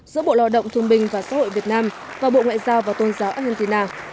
giữa bộ lao động thương bình và xã hội việt nam và bộ ngoại giao và tôn giáo argentina